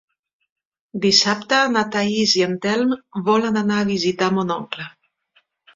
Dissabte na Thaís i en Telm volen anar a visitar mon oncle.